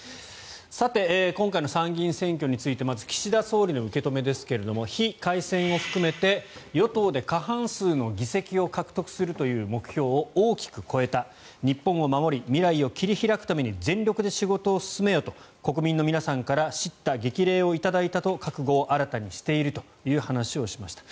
さて今回の参議院選挙についてまず岸田総理の受け止めですが非改選を含めて与党で過半数の議席を獲得するという目標を大きく超えた日本を守り未来を切り開くために全力で仕事を進めよと国民の皆さんから叱咤激励を頂いたと覚悟を新たにしているという話をしました。